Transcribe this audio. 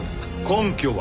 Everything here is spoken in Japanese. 根拠は？